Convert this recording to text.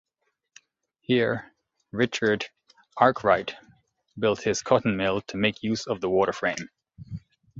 Here, Richard Arkwright built his cotton mill to make use of the water frame.